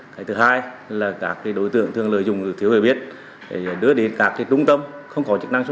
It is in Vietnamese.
các đối tượng